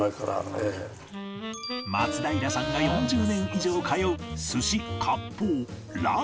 松平さんが４０年以上通う「蘭」